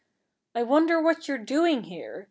I wonder what you're doin' here?